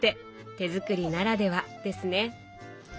手作りならではですね。